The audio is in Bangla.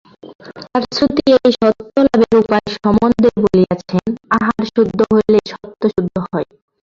আর শ্রুতি এই সত্ত্ব-লাভের উপায় সম্বন্ধে বলিয়াছেন, আহার শুদ্ধ হইলে সত্ত্ব শুদ্ধ হয়।